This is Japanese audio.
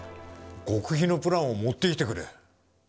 極秘のプランを持ってきてくれ。